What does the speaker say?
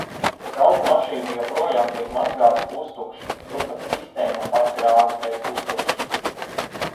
Trauku mašīna joprojām tiek mazgāta pustukša, tur pat sistēma pati rāda, ka ir pustukša.